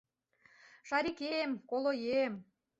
— Шарикем, колоем...